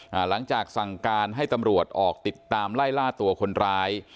หลังจากสั่งการให้ตำรวจออกติดตามไล่ล่าตัวคนร้าย